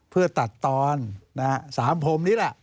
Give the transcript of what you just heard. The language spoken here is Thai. เพื่อตัดตอน๓พรมนี่แหละ